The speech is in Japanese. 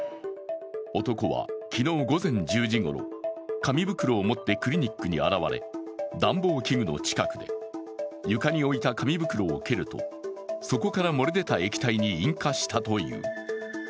男は昨日午前１０時ごろ、紙袋を持ってクリニックに現れ、暖房器具の近くで床に置いた紙袋を蹴ると、そこから漏れ出た液体に引火したという。